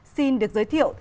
xin được giới thiệu